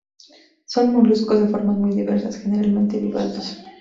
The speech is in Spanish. Son moluscos de formas muy diversas, generalmente bivalvos.